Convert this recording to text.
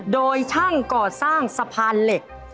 โดยช่างก่อสร้างสะพานเหล็ก